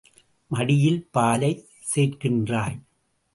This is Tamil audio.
மடியில் பாலைச் சேர்க்கின்றாய்.